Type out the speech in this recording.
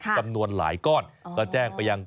จำนวนหลายก้อนก็แจ้งไปยัง